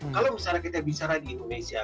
kalau misalnya kita bicara di indonesia